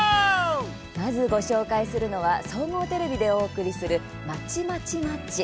まずご紹介するのは総合テレビでお送りする「まちまちマッチ」。